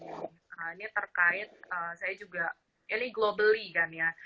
nah ini terkait saya juga ini globally kan ya